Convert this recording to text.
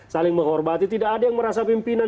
saling menghormati tidak ada yang merasa pimpinan